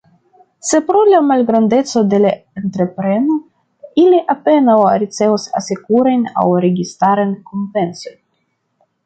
Sed pro la malgrandeco de la entrepreno, ili apenaŭ ricevos asekurajn aŭ registarajn kompensojn.